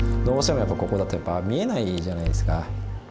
どうしてもやっぱここだと見えないじゃないですか。